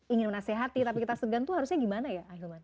ingin menasehati tapi kita segan itu harusnya gimana ya ahilman